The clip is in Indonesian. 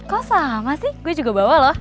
kok sama sih gue juga bawa loh